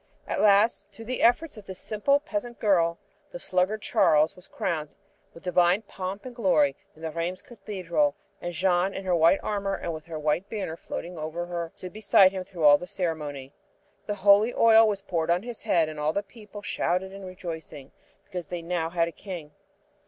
And at last through the efforts of this simple peasant girl, the sluggard Charles was crowned with divine pomp and glory in the Rheims cathedral, and Jeanne in her white armor and with her white banner floating over her stood beside him all through the ceremony. The holy oil was poured on his head and all the people shouted in rejoicing, because they now had a king.